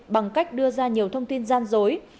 bằng cách đưa ra nhiều thông tin gian dối